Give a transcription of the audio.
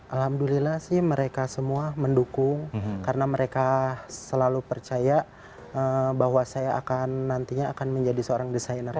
alhamdulillah sih mereka semua mendukung karena mereka selalu percaya bahwa saya akan nantinya akan menjadi seorang desainer